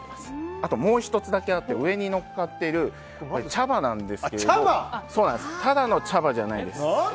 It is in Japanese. あともう１つだけあって上にのっている茶葉なんですけどただの茶葉じゃないです。